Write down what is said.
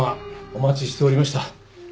お待ちしておりました。